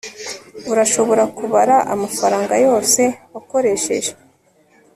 urashobora kubara amafaranga yose wakoresheje